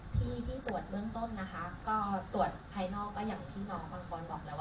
พี่น้องที่ตรวจเมืองต้นตรวจภายนอกก็อย่างพี่น้องบางคนบอกแล้ว